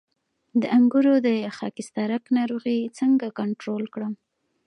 د انګورو د خاکسترک ناروغي څنګه کنټرول کړم؟